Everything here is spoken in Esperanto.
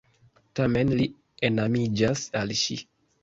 Tamen li enamiĝas al ŝi.